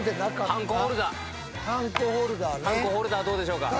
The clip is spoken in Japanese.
ハンコホルダーどうでしょうか。